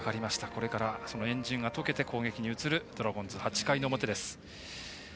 これから、円陣が解けて攻撃に移るドラゴンズ８回の表です。